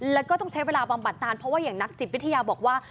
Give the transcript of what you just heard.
แล้วก็ต้องใช้เวลาบำบัดนานเพราะว่าอย่างนักจิตวิทยาบอกว่า